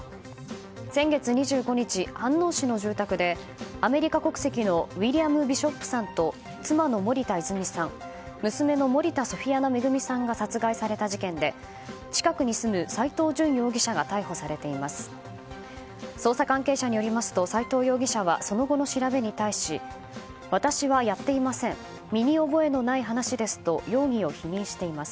先月２５日、飯能市の住宅でアメリカ国籍のウィリアム・ビショップさんと妻の森田泉さん娘の森田ソフィアナ恵さんが殺害された事件で近くに住む斎藤淳容疑者が逮捕されています。